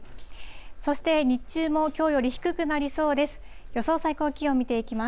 そして日中もきょうより低くなりそうです。